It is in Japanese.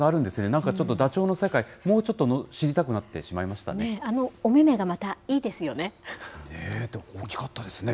なんかちょっとダチョウの世界、もうちょっと知りたくなってしまおめめがまたいいですよね。